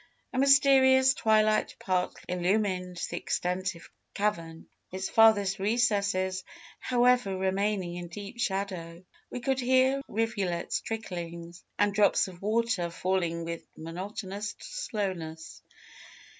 "A mysterious twilight partly illumined the extensive cavern, its farthest recesses, however, remaining in deep shadow. We could hear rivulets trickling and drops of water falling with monotonous slowness.